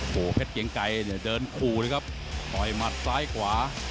โอ้โหเพชรเกียงไกรเนี่ยเดินขู่เลยครับต่อยหมัดซ้ายขวา